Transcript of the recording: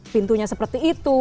pintunya seperti itu